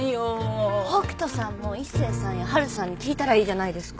北斗さんも一星さんや春さんに聞いたらいいじゃないですか。